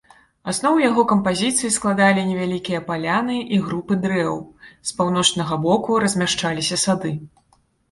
Аснову яго кампазіцыі складалі невялікія паляны і групы дрэў, з паўночнага боку размяшчаліся сады.